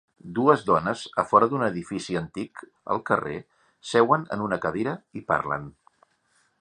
Dues dones a fora d'un edifici antic al carrer seuen en una cadira i parlen.